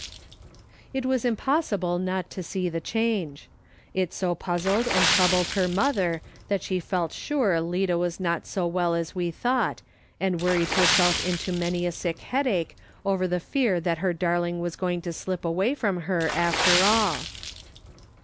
It was impossible not to see the change. It so puzzled and troubled her mother that she felt sure Lida was not so well as we thought, and worried herself into many a sick headache over the fear that her darling was going to slip away from her after all.